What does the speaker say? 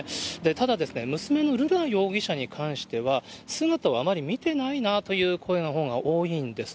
ただ、娘の瑠奈容疑者に関しては、姿をあまり見てないなという声のほうが多いんです。